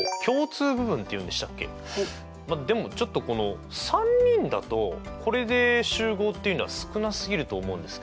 まあでもちょっとこの３人だとこれで集合っていうのは少なすぎると思うんですけど。